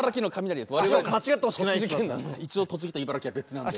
一応栃木と茨城は別なんで。